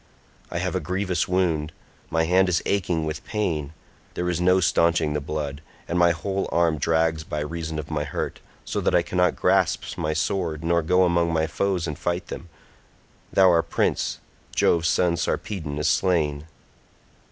I have a grievous wound; my hand is aching with pain, there is no staunching the blood, and my whole arm drags by reason of my hurt, so that I cannot grasp my sword nor go among my foes and fight them, though our prince, Jove's son Sarpedon, is slain.